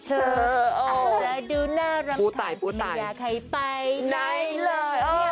อาจจะดูน่ารัมธรรมไม่อยากให้ไปไหนเลย